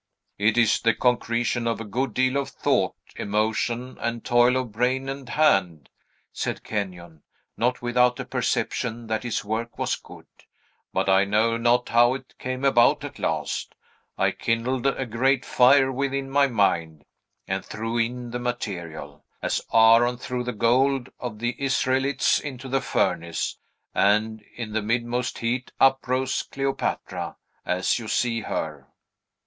"It is the concretion of a good deal of thought, emotion, and toil of brain and hand," said Kenyon, not without a perception that his work was good; "but I know not how it came about at last. I kindled a great fire within my mind, and threw in the material, as Aaron threw the gold of the Israelites into the furnace, and in the midmost heat uprose Cleopatra, as you see her."